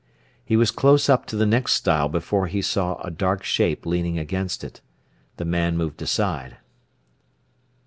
He was close up to the next stile before he saw a dark shape leaning against it. The man moved aside.